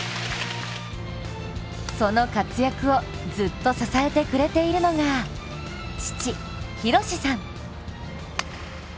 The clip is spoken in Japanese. その活躍をずっと支えてくれているのが父・浩さん。